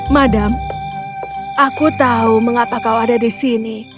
madam aku tahu mengapa kau ada di sini